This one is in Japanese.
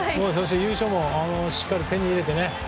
優勝もしっかり手に入れてね。